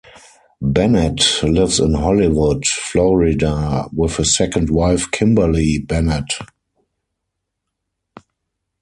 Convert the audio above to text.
Bennett lives in Hollywood, Florida, with his second wife, Kimberly Bennett.